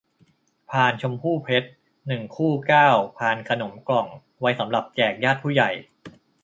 พานชมพู่เพชร หนึ่ง คู่ เก้า พานขนมกล่อง ไว้สำหรับแจกญาติผู้ใหญ่